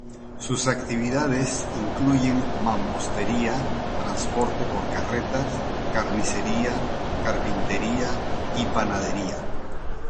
Sus actividades incluyen mampostería, transporte por carreta, carnicería, carpintería y panadería.